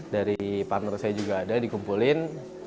dari partner saya juga ada dikumpulin